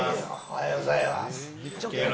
おはようございます。